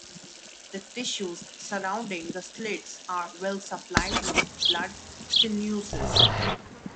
The tissues surrounding the slits are well supplied with blood sinuses.